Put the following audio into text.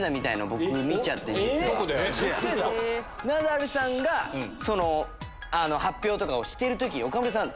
ウソやん⁉ナダルさんが発表とかをしてる時岡村さん